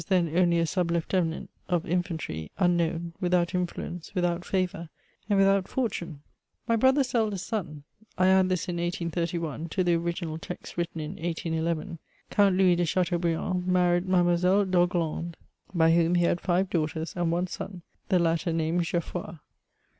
then only a sub lieutenant of infantry, unknown, without influence, without favour, and without fortune ?., My brother's eldest son (I add this in 1831 to the original text written in 181 1), Count Louis de Chateaubriand, married Mademoiselle d'Orglandes, by whom he had five daughters and one son, the latter named Geoffroy.